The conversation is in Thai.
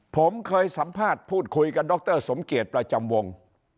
ผมเคยสัมภาษณ์พูดคุยกับดรสมเกียจประจำวง